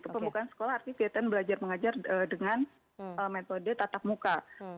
pembukaan sekolah artinya kegiatan belajar mengajar dengan metode tatap muka